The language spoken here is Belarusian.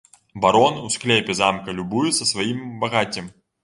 Барон у склепе замка любуецца сваім багаццем.